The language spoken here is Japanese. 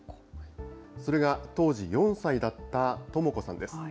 それが当時４歳だった智子さんです。